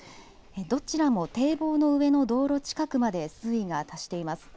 どちらも堤防の上の道路近くまで水位が達しています。